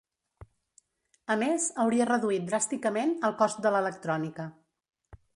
A més, hauria reduït dràsticament el cost de l'electrònica.